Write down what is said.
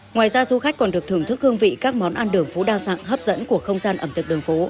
ngoài ra du khách còn được thưởng thức hương vị các món ăn đường phố đa dạng hấp dẫn của không gian ẩm thực đường phố